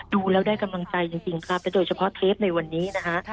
ดูแล้วได้กำลังใจจริงครับและโดยเฉพาะเทปในวันนี้นะฮะ